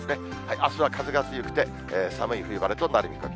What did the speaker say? あすは風が強くて、寒い冬晴れとなる見込み。